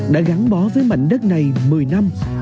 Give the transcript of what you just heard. đã gắn bó với mảnh đất này một mươi năm